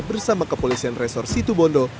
bersama kepolisian resor situbondo